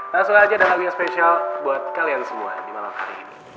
langsung aja ada hal yang spesial buat kalian semua di malam hari ini